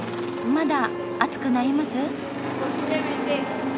まだ暑くなります？